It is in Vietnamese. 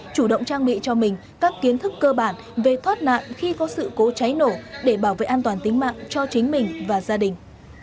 chủ động trang bị cho mình các kiến thức cơ bản về thoát nạn khi có sự cố cháy nổ để bảo vệ an toàn tính mạng cho chính mình và gia đình